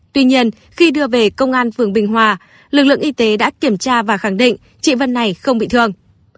tuy nhiên khi đưa về công an phường bình hòa lực lượng y tế đã kiểm tra và khẳng định chị vân này không bị thương